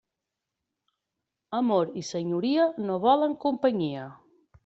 Amor i senyoria no volen companyia.